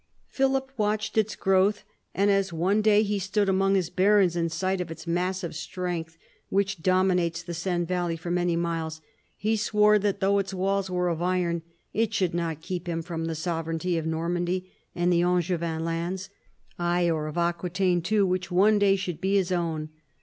Philip watched its growth, and as one day he stood among his barons in sight of its massive strength, which dominates the Seine valley for many miles, he swore that though its walls were of iron, it should not keep him from the sovereignty of Normandy and the Angevin lands — aye, or of Aquitaine too, which one day should be his own.